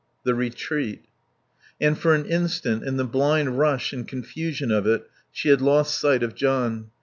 The retreat. And for an instant, in the blind rush and confusion of it, she had lost sight of John.